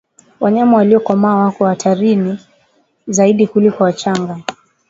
Wanyama waliokomaa wako hatarini zaidi kuliko wachanga